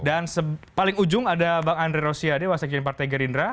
dan paling ujung ada bang andre rosiade wakil sekretaris partai gerindra